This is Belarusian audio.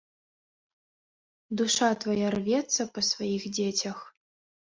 Душа твая рвецца па сваіх дзецях?